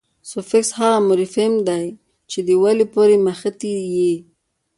سوفیکس هغه مورفیم دئ، چي د ولي پوري مښتي يي.